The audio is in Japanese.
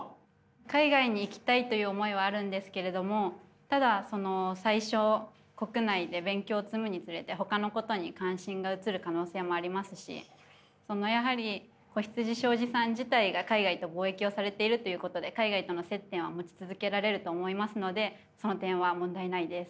海外に行きたいという思いはあるんですけれどもただ最初国内で勉強を積むにつれてほかのことに関心が移る可能性もありますしやはり子羊商事さん自体が海外と貿易をされているということで海外との接点は持ち続けられると思いますのでその点は問題ないです。